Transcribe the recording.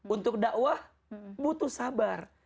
untuk dakwah butuh sabar